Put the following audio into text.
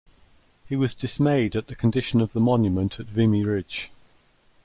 He was dismayed at the condition of the monument at Vimy Ridge.